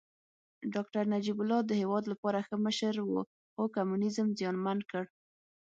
داکتر نجيب الله د هېواد لپاره ښه مشر و خو کمونيزم زیانمن کړ